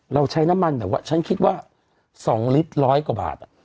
เราใช้น้ำมันแบบว่าฉันคิดว่า๒ลิตรร้อยกว่าบาท